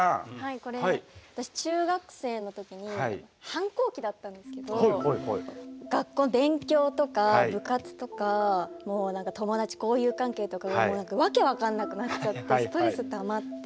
これ私中学生のときに反抗期だったんですけど学校の勉強とか部活とかもう何か友達交友関係とかがもう何か訳分かんなくなっちゃってストレスたまって。